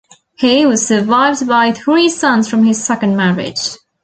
He was survived by three sons from his second marriage.